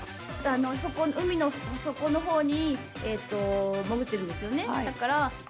海の底のほうに潜っているんですよね？